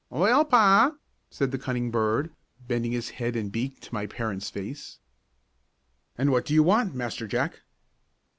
"Well pa," said the cunning bird, bending his head and beak to my parent's face. "And what do you want, Master Jack?"